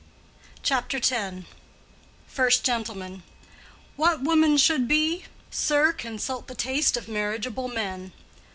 CHAPTER X. 1st Gent. What woman should be? Sir, consult the taste Of marriageable men.